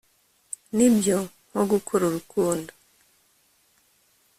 Nibyo nko gukora urukundo